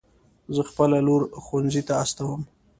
زه خپله لور ښوونځي ته استوم